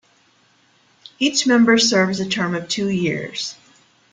Each member serves a term of two years.